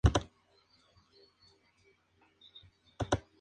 Por "Paradox", w-inds.